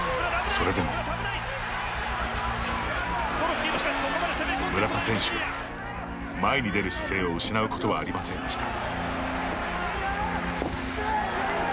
それでも村田選手は前に出る姿勢を失うことはありませんでした。